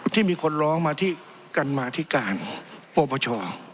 ที่มีคนร้องมาที่กรรมาธิการปปช